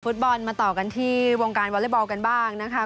ฟุตบอลมาต่อกันที่วงการวอเล็กบอลกันบ้างนะคะ